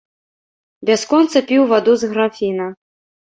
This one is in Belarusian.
Бясконца піў ваду з графіна.